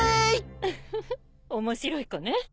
ウフフ面白い子ね。